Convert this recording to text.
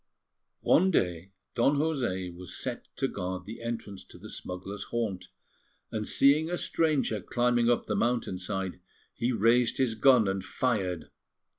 One day Don José was set to guard the entrance to the smugglers' haunt, and seeing a stranger climbing up the mountain side, he raised his gun and fired.